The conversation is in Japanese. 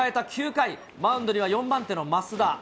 ９回、マウンドには４番手の益田。